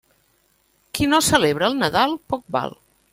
Qui no celebra el Nadal, poc val.